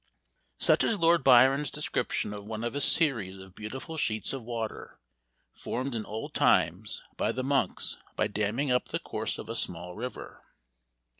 Such is Lord Byron's description of one of a series of beautiful sheets of water, formed in old times by the monks by damming up the course of a small river.